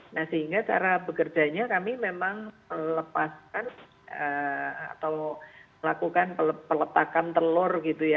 nah sehingga cara bekerjanya kami memang melepaskan atau melakukan peletakan telur gitu ya